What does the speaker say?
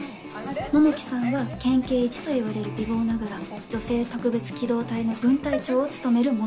桃木さんは県警イチといわれる美貌ながら女性特別機動隊の分隊長を務める猛者。